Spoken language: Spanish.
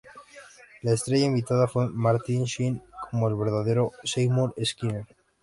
La estrella invitada fue Martin Sheen como el verdadero Seymour Skinner.